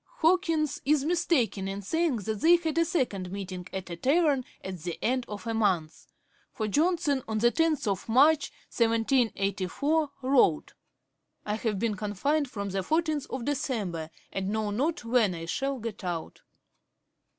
Hawkins is mistaken in saying that they had a second meeting at a tavern at the end of a month; for Johnson, on March 10, 1784, wrote: 'I have been confined from the fourteenth of December, and know not when I shall get out.'